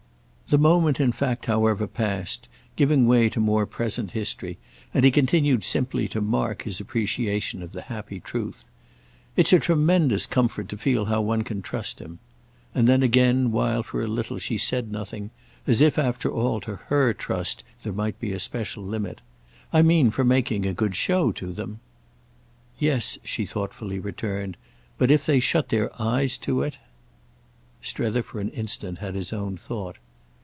The moment in fact however passed, giving way to more present history, and he continued simply to mark his appreciation of the happy truth. "It's a tremendous comfort to feel how one can trust him." And then again while for a little she said nothing—as if after all to her trust there might be a special limit: "I mean for making a good show to them." "Yes," she thoughtfully returned—"but if they shut their eyes to it!" Strether for an instant had his own thought.